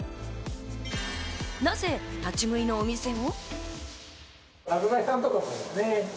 なぜ立ち食いのお店を？